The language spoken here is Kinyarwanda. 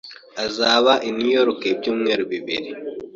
Azaba i New York ibyumweru bibiri.